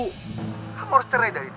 kamu harus cerai dari itu